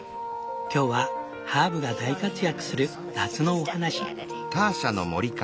今日はハーブが大活躍する夏のお話。